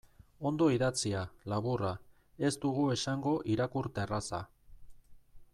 Ondo idatzia, laburra, ez dugu esango irakurterraza.